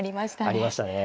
ありましたね。